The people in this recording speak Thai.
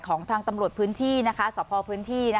ของทางตำรวจพื้นที่สพพื้นที่